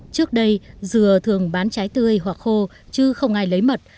trước đây dừa thường bán trái tươi hoặc khô chứ không ai lấy mật